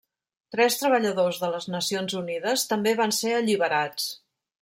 Tres treballadors de les Nacions Unides també van ser alliberats.